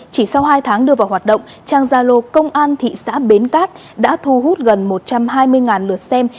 chỉ sau hai tháng đưa vào hoạt động trang gia lô công an thị xã bến cát đã thu hút gần một trăm hai mươi lượt xem